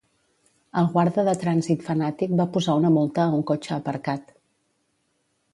El guarda de trànsit fanàtic va posar una multa a un cotxe aparcat.